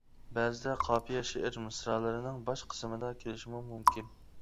بەزىدە قاپىيە شېئىر مىسرالىرىنىڭ باش قىسمىدا كېلىشىمۇ مۇمكىن.